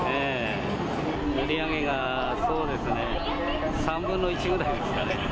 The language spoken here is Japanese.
売り上げが、そうですね、３分の１ぐらいですかね。